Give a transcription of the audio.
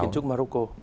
kiến trúc morocco